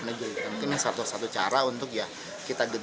mungkin satu satu cara untuk ya kita genjot